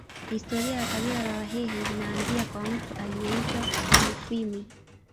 Historia ya kabila la Wahehe linaanzia kwa mtu aliyeitwa Mufwimi